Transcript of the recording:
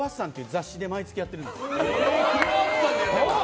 雑誌で毎月やっているんです。